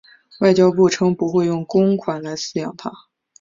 外交部称不会用公款来饲养它。